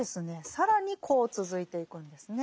更にこう続いていくんですね。